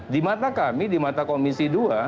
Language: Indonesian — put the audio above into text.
di mata kami di mata komisi dua